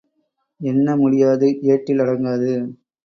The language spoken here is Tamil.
எண்ண முடியாது ஏட்டில் அடங்காது.